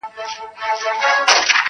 انسانان هڅه کوي هېر کړي خو زړه نه مني,